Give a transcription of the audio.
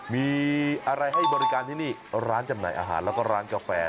มีอะไรให้บริการที่นี่ร้านจำหน่ายอาหารแล้วก็ร้านกาแฟ